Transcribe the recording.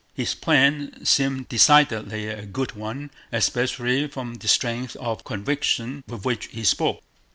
His plan seemed decidedly a good one, especially from the strength of conviction with which he spoke.